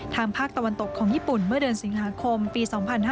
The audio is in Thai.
ภาคตะวันตกของญี่ปุ่นเมื่อเดือนสิงหาคมปี๒๕๕๙